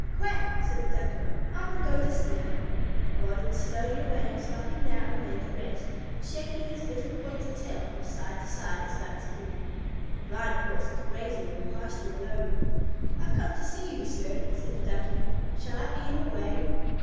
"Quack!" said the Duckling. "I will go to see him." He waddled slowly away, stopping now and then to rest, and shaking his little pointed tail from side to side as Ducks do. The Blind Horse was grazing in the pasture alone. "I've come to see you, sir," said the Duckling. "Shall I be in your way?"